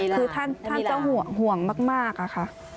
คือท่านเจ้าห่วงมากค่ะ